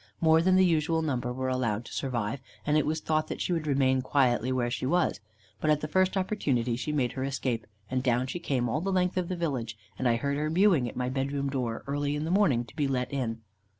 More than the usual number were allowed to survive; and it was thought that she would remain quietly where she was; but, at the first opportunity, she made her escape, and down she came all the length of the village; and I heard her mewing at my bed room door, early in the morning, to be let in.